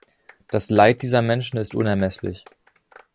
Das Leid dieser Menschen ist unermesslich.